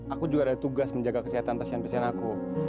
aku juga ada tugas menjaga kesehatan pasien pasien aku